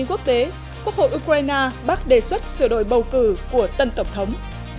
quốc hội ukraine bác đề xuất sửa đổi bầu cử của tân tổng thống